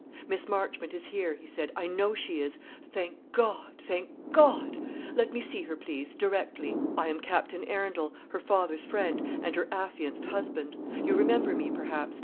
"Miss Marchmont is here," he said; "I know she is. Thank God, thank God! Let me see her please, directly. I am Captain Arundel, her father's friend, and her affianced husband. You remember me, perhaps?